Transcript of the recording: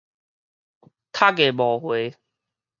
讀過無回